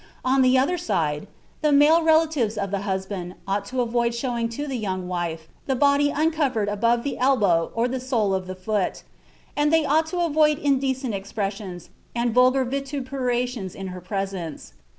On the other side, the male relatives of the husband ought to avoid showing to the young wife the body uncovered above the elbow or the sole of the foot, and they ought to avoid indecent expressions and vulgar vituperations in her presence....